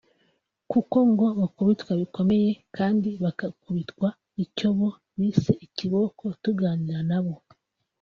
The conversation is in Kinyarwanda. kuko ngo bakubitwa bikomeye kandi bagakubitwa icyo bo bise ikiboko tuganira nabo